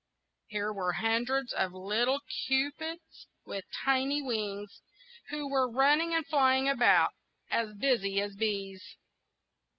Here were hundreds of little cupids with tiny wings, who were running and flying about, as busy as bees.